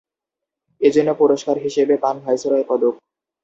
এজন্য পুরস্কার হিসেবে পান ভাইসরয় পদক।